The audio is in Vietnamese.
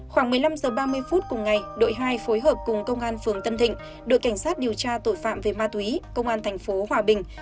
khoảng một mươi năm h ba mươi phút cùng ngày đội hai phối hợp cùng công an phường tân thịnh đội cảnh sát điều tra tội phạm về ma túy công an thành phố hòa bình